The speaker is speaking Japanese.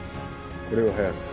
これを速く。